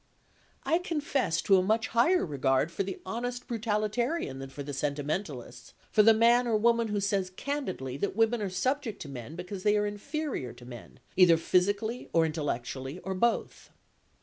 I confess to a much higher regard for the honest brutalitarian than for the sentimentalist; for the man or woman who says candidly that women are subject to men because they are inferior to men, either physically, or intellectually, or both.